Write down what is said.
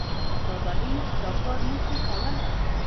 دا بهیر دا کار نه شي کولای